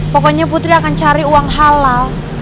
pokoknya putri akan cari uang halal